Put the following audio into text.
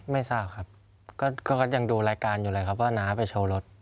ไม่ทราบครับก็ยังดูรายการอยู่เลยครับว่าน้าไปโชว์รถ